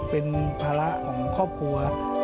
เป็นภาระของครอบครัว